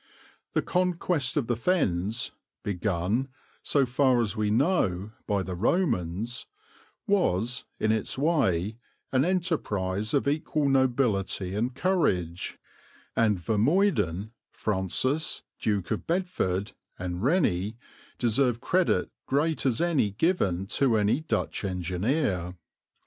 The conquest of the Fens, begun, so far as we know, by the Romans, was, in its way, an enterprise of equal nobility and courage, and Vermuyden, Francis, Duke of Bedford, and Rennie deserve credit great as any given to any Dutch engineer.